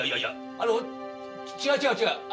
あの違う違う違う。